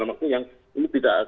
ini masih sangat terjadi erupsi